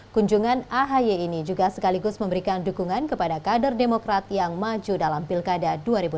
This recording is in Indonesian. kunjungan ahi ini juga sekaligus memberikan dukungan kepada kader demokrat yang maju dalam pilkada dua ribu delapan belas